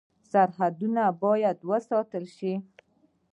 سرحدونه باید وساتل شي